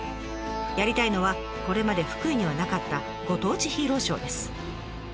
やりたいのはこれまで福井にはなかったご当地ヒーローショーです。